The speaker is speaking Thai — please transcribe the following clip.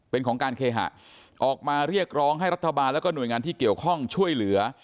เป็นของการเคหะออกมาเรียกร้องให้รัฐบาลแล้วก็หน่วยงานที่เกี่ยวข้องช่วยเหลือ